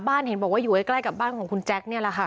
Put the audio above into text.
เห็นบอกว่าอยู่ใกล้กับบ้านของคุณแจ็คนี่แหละค่ะ